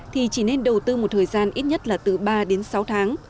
thì chỉ nên đầu tư một thời gian ít nhất là từ ba đến sáu tháng